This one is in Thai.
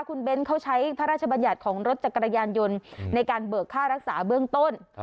คุณเบ้นเขาใช้พระราชบัญญัติของรถจักรยานยนต์ในการเบิกค่ารักษาเบื้องต้น